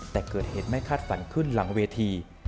แต่เกิดเหตุไม่คาดฝันขึ้นหลังเวที